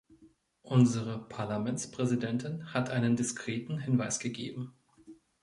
Unsere Parlamentspräsidentin hat einen diskreten Hinweis gegeben.